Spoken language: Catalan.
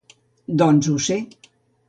Doncs ho sé.